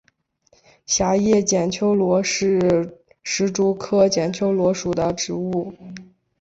狭叶剪秋罗是石竹科剪秋罗属的植物。